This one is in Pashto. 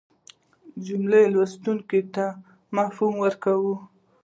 جمله لوستونکي ته مفهوم ورکوي.